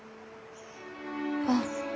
あっ。